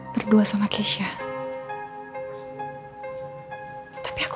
ter askara sama k